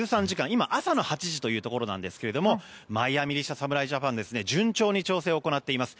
今、朝の８時というところなんですけどもマイアミ入りした侍ジャパン順調に調整を行っています。